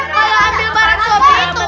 kalau ambil barang sekali itu wajib